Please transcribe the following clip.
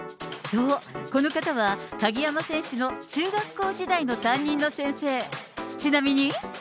そう、この方は鍵山選手の中学校時代の担任の先生。